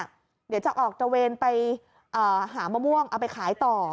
เดี๋ยวจะออกตระเวนไปหามะม่วงเอาไปขายต่อ